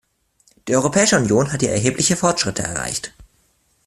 Die Europäische Union hat hier erhebliche Fortschritte erreicht.